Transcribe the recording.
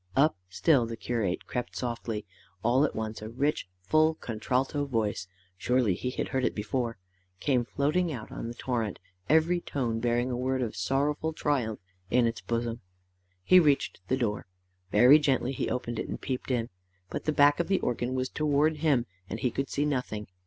Up still the curate crept softly. All at once a rich full contralto voice surely he had heard it before came floating out on the torrent, every tone bearing a word of sorrowful triumph in its bosom. He reached the door. Very gently he opened it, and peeped in. But the back of the organ was towards him, and he could see nothing.